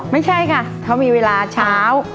ไม่ใช่ค่ะเขามีเวลาเช้า